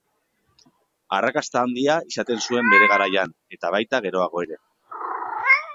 Arrakasta handia izan zuen bere garaian, eta baita geroago ere.